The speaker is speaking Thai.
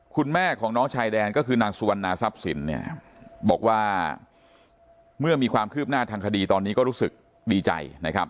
คุณแม่ของน้องชายแดนก็คือนางสุวรรณาทรัพย์สินเนี่ยบอกว่าเมื่อมีความคืบหน้าทางคดีตอนนี้ก็รู้สึกดีใจนะครับ